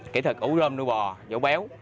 kỹ thuật ủ rơm nuôi bò vỗ béo